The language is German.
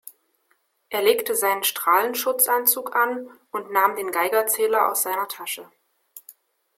Er legte seinen Strahlenschutzanzug an und nahm den Geigerzähler aus seiner Tasche.